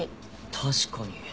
確かに。